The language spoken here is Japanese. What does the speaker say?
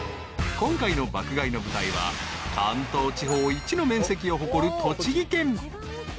［今回の爆買いの舞台は関東地方一の面積を誇る栃木県］